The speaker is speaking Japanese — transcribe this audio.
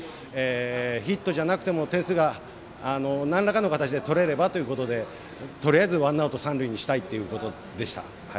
ヒットじゃなくても点数が、なんらかの形で取れればということでとりあえずワンアウト、三塁にしたいということでした。